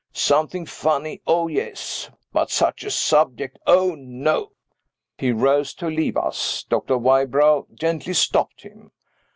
Something funny, oh yes. But such a subject, oh no." He rose to leave us. Dr. Wybrow gently stopped him.